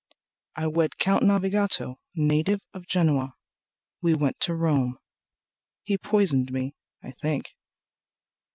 I wed Count Navigato, native of Genoa. We went to Rome. He poisoned me, I think.